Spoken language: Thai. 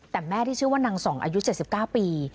แต่แม่ที่ชื่อว่านางส่องอายุ๗๙ปี